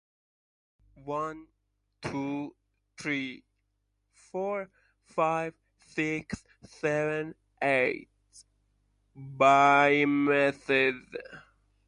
This defeat pushed Fulham into the relegation places.